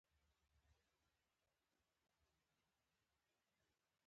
هغه خپله توپانچه راوباسله او ګېټ یې کش کړ